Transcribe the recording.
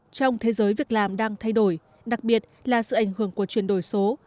trong thế giới việc làm đang thay đổi đặc biệt là sự ảnh hưởng của chuyển đổi số